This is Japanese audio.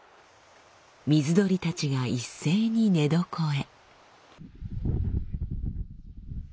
水鳥たちが一斉に寝床へ。